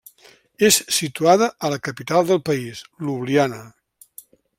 És situada a la capital del país, Ljubljana.